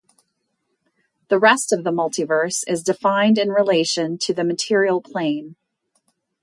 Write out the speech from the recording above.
The rest of the multiverse is defined in relation to the Material Plane.